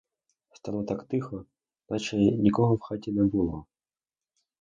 Стало так тихо, неначе нікого в хаті не було.